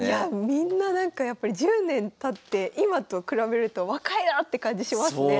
みんななんかやっぱり１０年たって今と比べると若いなって感じしますね。